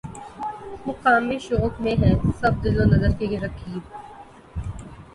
مقام شوق میں ہیں سب دل و نظر کے رقیب